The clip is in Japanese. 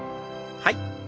はい。